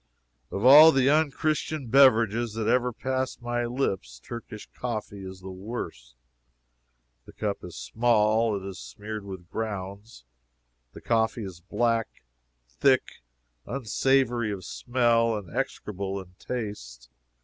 Of all the unchristian beverages that ever passed my lips, Turkish coffee is the worst. The cup is small, it is smeared with grounds; the coffee is black, thick, unsavory of smell, and execrable in taste.